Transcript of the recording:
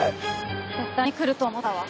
絶対に来ると思ったわ。